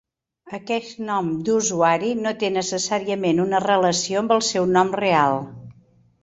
Aquest nom d’usuari no té necessàriament una relació amb el seu nom real.